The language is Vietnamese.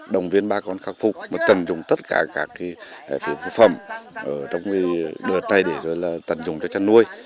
đồng viên bác con khắc phục tận dụng tất cả các phương phục phẩm trong đợt này để tận dụng cho chăn nuôi